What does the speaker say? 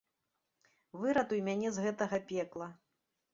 Выратуй мяне з гэтага пекла.